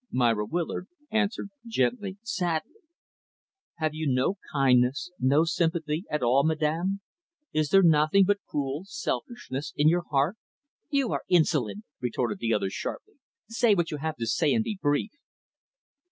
Myra Willard answered gently, sadly, "Have you no kindness, no sympathy at all, madam? Is there nothing but cruel selfishness in your heart?" "You are insolent," retorted the other, sharply. "Say what you have to say and be brief."